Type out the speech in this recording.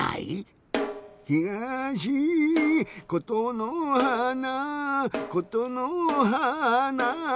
ひがしことのはーなことのはーな。